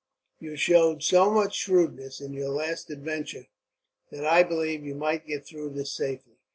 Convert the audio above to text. "You showed so much shrewdness, in your last adventure, that I believe you might get through this safely.